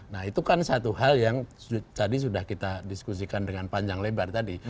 nah itu kan satu hal yang tadi sudah kita diskusikan dengan panjang lebar tadi